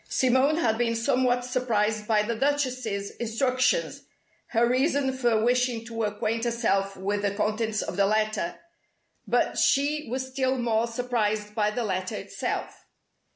Simone had been somewhat surprised by the Duchess's instructions (her reason for wishing to acquaint herself with the contents of the letter) but she was still more surprised by the letter itself.